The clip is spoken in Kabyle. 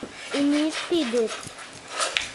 Ini-yi-d tidet.